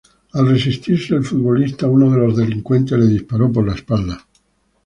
Al resistirse el futbolista, uno de los delincuentes le disparó por la espalda.